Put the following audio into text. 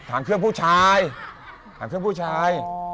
ทางเครื่องผู้ชาย